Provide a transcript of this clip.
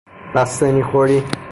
بستنی خوری